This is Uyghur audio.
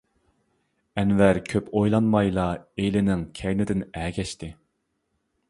ئەنۋەر كۆپ ئويلانمايلا ئېلىنىڭ كەينىدىن ئەگەشتى.